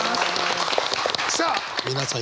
さあ皆さん